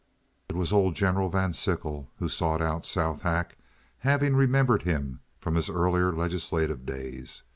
It was old General Van Sickle who sought out Southack, having remembered him from his earlier legislative days.